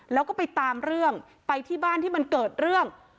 แล้วก็ไปตามเรื่องไปที่บ้านที่มันเกิดเรื่อง